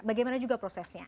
bagaimana juga prosesnya